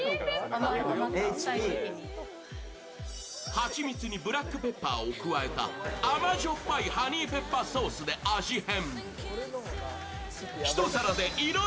はちみつにブラックペッパーを加えた甘じょっぱいハニーペッパーソースで味変。